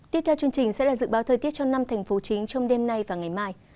tiếp theo chương trình sẽ là dự báo thời tiết cho năm thành phố chính trong đêm nay và ngày mai